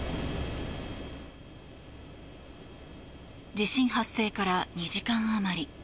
地震発生から２時間余り。